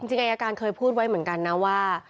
จริงอายการเคยพูดไว้เหมือนกันนะว่า